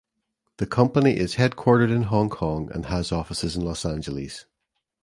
The company is headquartered in Hong Kong and has offices in Los Angeles.